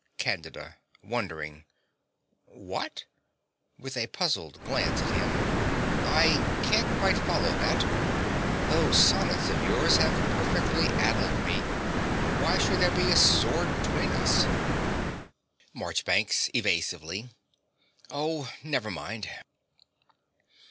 CANDIDA (wondering). What? (With a puzzled glance at him.) I can't quite follow that. Those sonnets of yours have perfectly addled me. Why should there be a sword between us? MARCHBANKS (evasively). Oh, never mind.